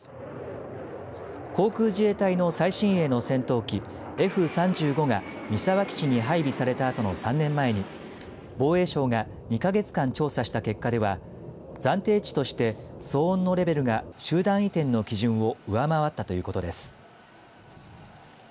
航空自衛隊の最新鋭の戦闘機Ｆ３５が三沢基地に配備されたあとの３年前に防衛省が２か月間調査した結果では暫定値として騒音のレベルが集団移転の基準を上回ったということです。